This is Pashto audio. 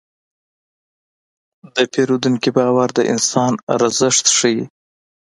د پیرودونکي باور د انسان ارزښت ښيي.